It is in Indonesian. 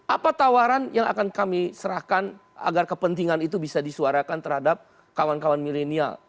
apa tawaran yang akan kami serahkan agar kepentingan itu bisa disuarakan terhadap kawan kawan milenial